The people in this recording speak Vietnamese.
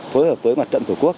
phối hợp với mặt trận tổ quốc